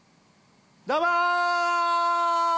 どうも！